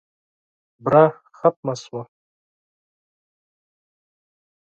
بوره ختمه شوه .